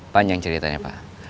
panjang ceritanya pak